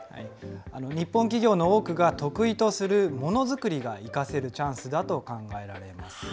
日本企業の多くが得意とするものづくりが生かせるチャンスだと考えられます。